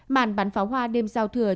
màn bán pháo hoa đêm sao thừa